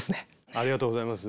ありがとうございます。